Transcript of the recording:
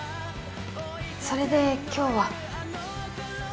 それで今日は？